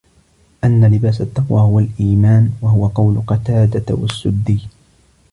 أَنَّ لِبَاسَ التَّقْوَى هُوَ الْإِيمَانُ وَهُوَ قَوْلُ قَتَادَةَ وَالسُّدِّيِّ